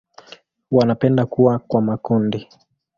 Wanapenda kuwa kwa makundi.